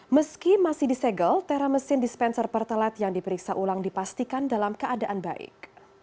meski masih disegel teramesin dispenser pertelet yang diperiksa ulang dipastikan dalam keadaan baik